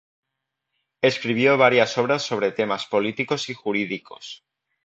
Escribió varias obras sobre temas políticos y jurídicos.